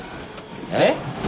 えっ？